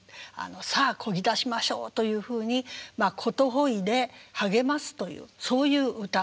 さあこぎ出しましょう」というふうにまあことほいで励ますというそういう歌なんですね。